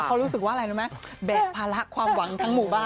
เขารู้สึกว่าอะไรรู้ไหมแบกภาระความหวังทั้งหมู่บ้าน